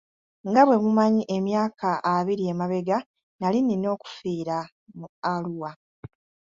Nga bwemumanyi emyaka abiri emabega nali nina okufiira mu Arua.